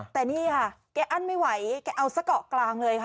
แต่นี่ค่ะแกอั้นไม่ไหวแกเอาซะเกาะกลางเลยค่ะ